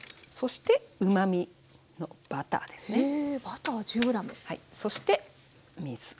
そしてうまみのバターですね。